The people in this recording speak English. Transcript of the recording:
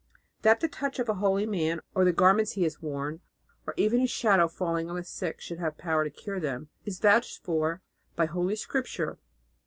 That the touch of a holy man, or the garments he has worn, or even his shadow falling on the sick should have power to cure them, is vouched for by Holy Scripture.